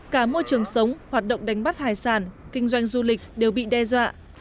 cả môi trường sống hoạt động đánh bắt hải sản kinh doanh du lịch đều bị đe dọa